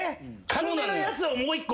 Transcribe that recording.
軽めのやつをもう一個。